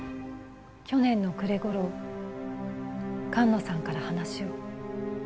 去年の暮れ頃菅野さんから話を。